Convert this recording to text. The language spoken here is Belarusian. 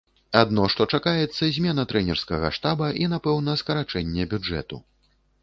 Адно што чакаецца змена трэнерскага штаба і, напэўна, скарачэнне бюджэту.